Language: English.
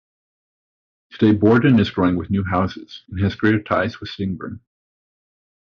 Today Borden is growing with new houses and has greater ties with Sittingbourne.